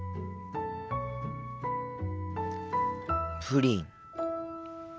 プリン。